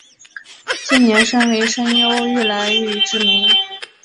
近年身为声优愈来愈知名。